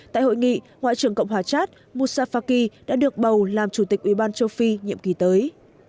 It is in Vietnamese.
tại hội nghị ngoại trưởng cộng hòa chat musafaki đã được bầu làm chủ tịch ủy ban châu phi nhiệm kỳ tới